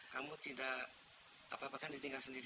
kamu tidak apa apakan ditinggal sendiri